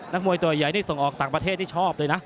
มวยตัวใหญ่นี่ส่งออกต่างประเทศนี่ชอบเลยนะ